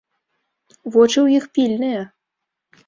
Вочы ў іх пільныя.